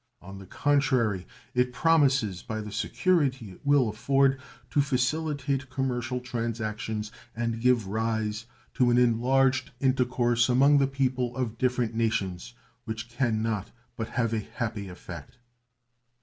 On the contrary, it promises, by the security it will afford, to facilitate commercial transactions and give rise to an enlarged intercourse among the people of different nations, which can not but have a happy effect.